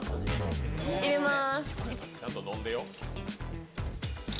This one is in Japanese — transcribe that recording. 入れまーす。